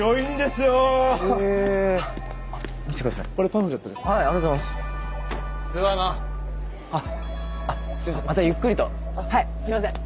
すいません